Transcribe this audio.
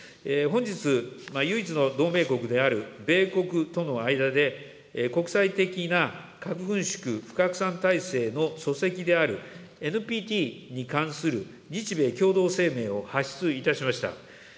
本日、唯一の同盟国である米国との間で、国際的な核軍縮不拡散体制の礎石であるＮＰＴに関する日米共同声明を発出いたしました。